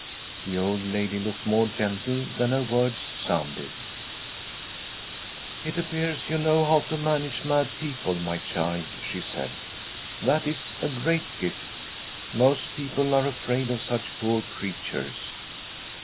The old lady looked more gentle than her words sounded. * It appears you know how to manage mad peo ple, my child,' she said. 'That is a great gift. Most people are afraid of such poor creatures.'